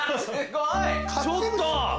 ちょっと！